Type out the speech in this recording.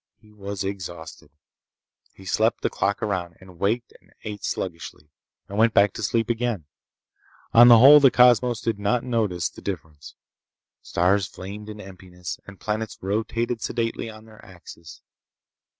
He was exhausted. He slept the clock around, and waked and ate sluggishly, and went back to sleep again. On the whole, the cosmos did not notice the difference. Stars flamed in emptiness, and planets rotated sedately on their axes.